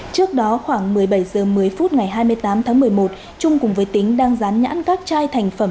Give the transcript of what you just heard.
trước đó khoảng một mươi bảy h một mươi phút ngày hai mươi tám tháng một mươi một trung cùng với tính đang rán nhãn các chai thành phẩm